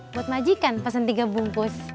buat majikan pesan tiga bungkus